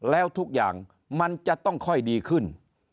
แล้วทุกอย่างมันจะต้องค่อยดีขึ้น